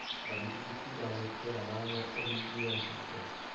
La viticoltura ha nel teramano origini antiche.